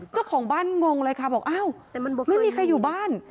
เจ้าของบ้านงงเลยค่ะบอกอ้าวไม่มีใครอยู่บ้าน